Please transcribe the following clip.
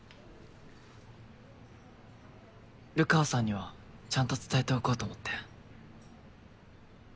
流川さんにはちゃんと伝えておこうと思って。